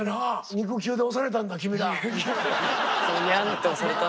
肉球で押されたんだ君ら。